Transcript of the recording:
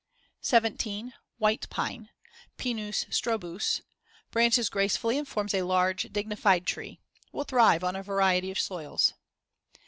17. White pine (Pinus strobus) Branches gracefully and forms a large, dignified tree; will thrive on a variety of soils.